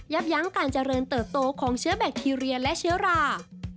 ยั้งการเจริญเติบโตของเชื้อแบคทีเรียและเชื้อรา